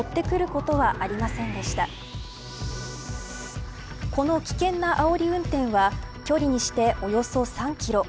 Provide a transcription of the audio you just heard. この危険なあおり運転は距離にしておよそ３キロ。